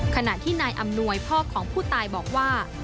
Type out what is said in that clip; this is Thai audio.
ขณะที่นายอำนวยพ่อของผู้ตายบอกว่า